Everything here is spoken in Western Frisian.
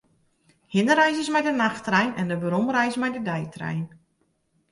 De hinnereis is mei de nachttrein en de weromreis mei de deitrein.